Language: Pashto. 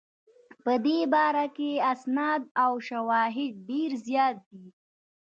په دې باره کې اسناد او شواهد ډېر زیات دي.